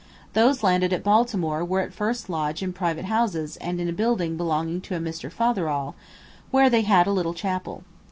Those landed at Baltimore were at first lodged in private houses and in a building belonging to a Mr Fotherall, where they had a little chapel.